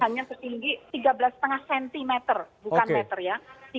hanya setinggi tiga belas lima cm bukan meter ya